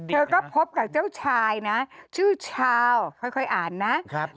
เป็นเด็กนะคะเธอก็พบกับเจ้าชายนะชื่อชาวค่อยค่อยอ่านนะครับ